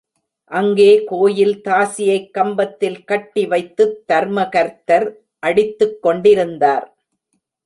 அங்கே கோயில் தாசியைக் கம்பத்தில் கட்டி வைத்துத் தர்மகர்த்தர் அடித்துக் கொண்டிருந்தார்.